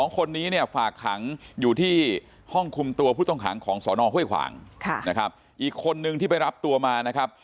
๒คนนี้เนี่ยฝากขังอยู่ที่ห้องคุมตัวผู้ต้องขังของสนห้วยขวางนะครับอีกคนนึงที่ไปรับตัวมานะครับ